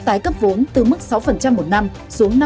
tái cấp vốn từ mức sáu phần trăm một mươi năm xuống